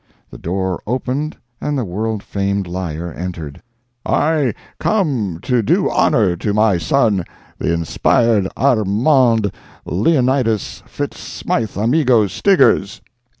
The door opened and the world famed liar entered: "I come to do honor to my son, the inspired Armand Leonidas Fitz Smythe Amigo Stiggers.